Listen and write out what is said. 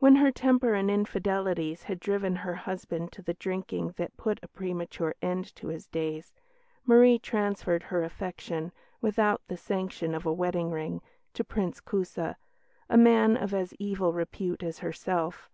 When her temper and infidelities had driven her husband to the drinking that put a premature end to his days, Marie transferred her affection, without the sanction of a wedding ring, to Prince Kusa, a man of as evil repute as herself.